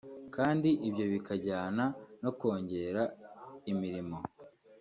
kandi ibyo bikajyana no kongera imirimo”